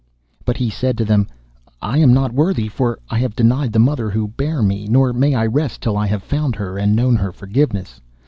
But he said to them, 'I am not worthy, for I have denied the mother who bare me, nor may I rest till I have found her, and known her forgiveness.